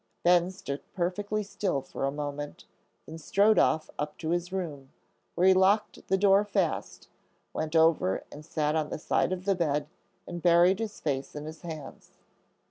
Ben stood perfectly still for a moment, then strode off up to his room, where he locked the door fast, went over and sat on the side of the bed, and buried his face in his hands.